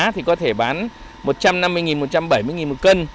thì có thể bán một trăm năm mươi một trăm bảy mươi một cân